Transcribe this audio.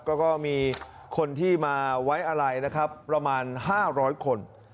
ก็มีคนที่มาไว้อะไรนะครับประมาณ๕๐๐คน